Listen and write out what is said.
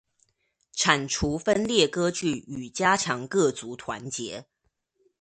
剷除分裂割據與加強各族團結